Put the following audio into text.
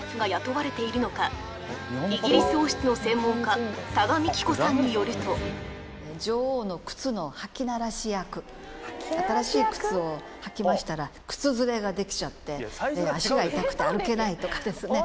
イギリス王室の専門家多賀幹子さんによると新しい靴を履きましたら靴ずれができちゃって足が痛くて歩けないとかですね